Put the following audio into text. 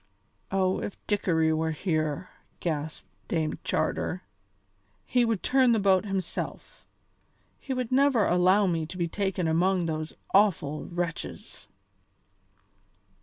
"Oh! if Dickory were here," gasped Dame Charter, "he would turn the boat himself; he would never allow me to be taken among those awful wretches."